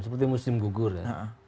seperti musim gugur ya